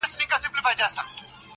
همېشه په ښو نمرو کامیابېدله.